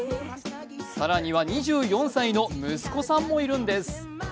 更には２４歳の息子さんもいるんです。